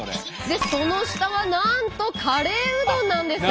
その下はなんとカレーうどんなんです。